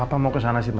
kamu mau ke sana sih ma